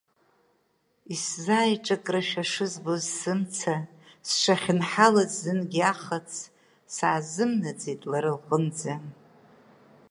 Исзааиҿакрашәа шызбоз сымца, сшахьынҳалаз зынгьы ахац, саазымнаӡеит лара лҟынӡа…